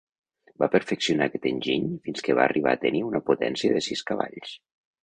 Va perfeccionar aquest enginy fins que va arribar a tenir una potència de sis cavalls.